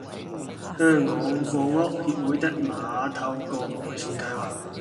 香港房屋協會的馬頭角改善計劃